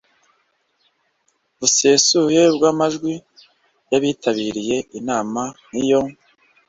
busesuye bw amajwi y abitabiriye inama iyo